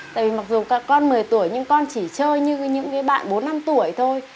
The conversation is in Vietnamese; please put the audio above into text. tại vì mặc dù các con một mươi tuổi nhưng con chỉ chơi như những bạn bốn năm tuổi thôi